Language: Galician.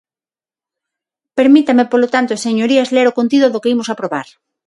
Permítame, polo tanto, señorías, ler o contido do que imos aprobar.